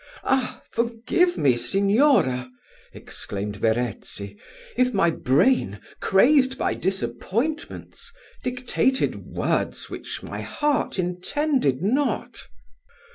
"Ah! forgive me, Signora," exclaimed Verezzi, "if my brain, crazed by disappointments, dictated words which my heart intended not."